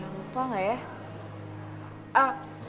lupa enggak ya